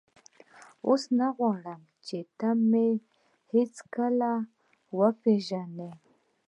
اوس نه غواړم چې ته مې هېڅکله وپېژنې.